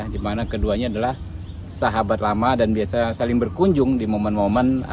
dimana keduanya adalah sahabat lama dan biasa saling berkunjung di momen momen